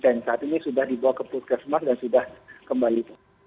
saat ini sudah dibawa ke puskesmas dan sudah kembali